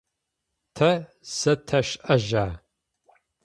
Тэ зэтэшӏэжьа?